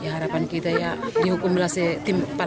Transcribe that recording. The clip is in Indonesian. harapan kita ya dihukumlah setimpa